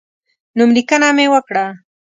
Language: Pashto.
نوملیکنه مې وکړه.